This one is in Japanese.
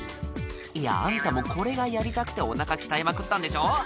いやあんたもこれがやりたくておなか鍛えまくったんでしょ？